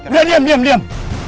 bi diam diam diam